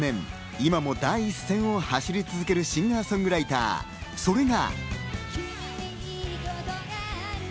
今も第一線を走り続けるシンガーソングライター、それが。